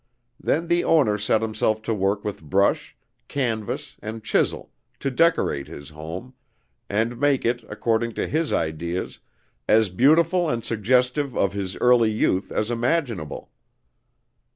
Then the owner set himself to work with brush, canvas, and chisel to decorate his home, and make it, according to his ideas, as beautiful and suggestive of his early youth as imaginable.